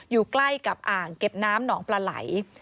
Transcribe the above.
อยู่ใกล้กับอ่างเก็บน้ำหนองปลาไหล